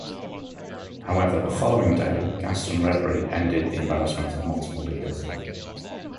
However, the following day, Gaston Rebry ended the embarrassment of multiple leaders.